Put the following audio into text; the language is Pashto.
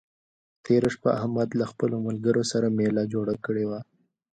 تېره شپه احمد له خپلو ملګرو سره مېله جوړه کړې وه.